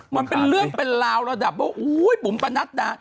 มันเป็นเรื่องเป็นราวระดับว่าอุ้ยบุ๋มประนัดดา